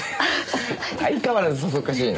相変わらずそそっかしいな。